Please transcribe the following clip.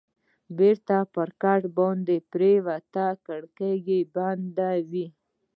بېرته پر کټ باندې پرېوتم، کړکۍ بندې وې.